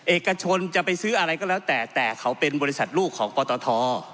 เอกชนจะไปซื้ออะไรก็แล้วแต่แต่เขาเป็นบริษัทลูกของปตท